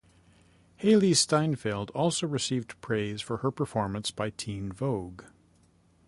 Hailee Steinfeld also received praise for her performance by "Teen Vogue".